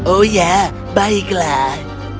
oh ya baiklah